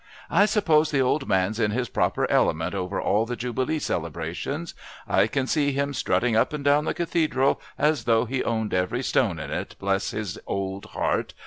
"I suppose the old man's in his proper element over all the Jubilee celebrations. I can see him strutting up and down the Cathedral as though he owned every stone in it, bless his old heart!